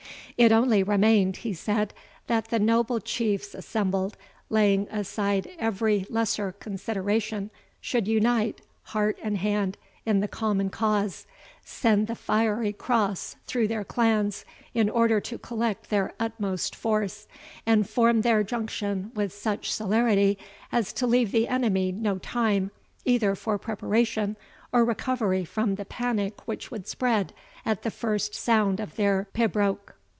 It only remained," he said, "that the noble Chiefs assembled, laying aside every lesser consideration, should unite, heart and hand, in the common cause; send the fiery cross through their clans, in order to collect their utmost force, and form their junction with such celerity as to leave the enemy no time, either for preparation, or recovery from the panic which would spread at the first sound of their pibroch.